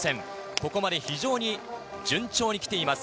ここまで非常に順調に来ています。